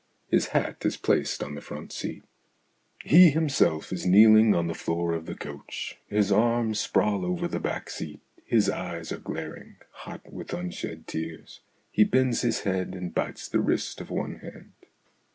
His hat is placed on the front seat. He himself is kneeling on the floor of the coach ; his arms sprawl over the back seat ; his eyes are glaring, hot with un shed tears ; he bends his head and bites the wrist of one hand.